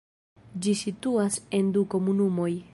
Ĝi situas en du komunumoj.